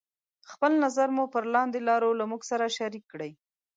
خپل نظر مو پر لاندې لارو له موږ سره شريکې کړئ: